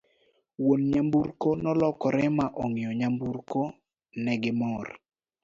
wuon nyamburko nolokore ma ong'iyo nyamburko ne gi mor